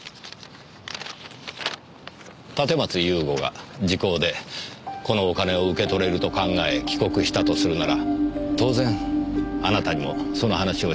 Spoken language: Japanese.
立松雄吾が時効でこのお金を受け取れると考え帰国したとするなら当然あなたにもその話をしていたはずです。